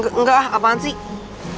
eh engga ah apaan sih